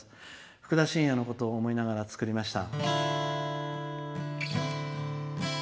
ふくだしんやのことを思いながら作りました。